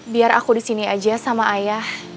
biar aku disini aja sama ayah